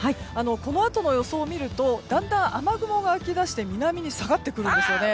このあとの予想を見るとだんだん雨雲が湧き出して南に下がってくるんです。